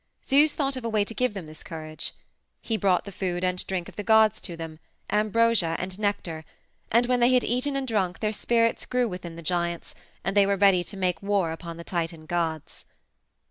Zeus thought of a way to give them this courage; he brought the food and drink of the gods to them, ambrosia and nectar, and when they had eaten and drunk their spirits grew within the giants, and they were ready to make war upon the Titan gods.